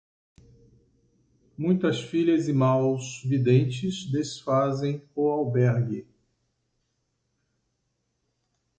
Muitas filhas e maus videntes desfazem o albergue.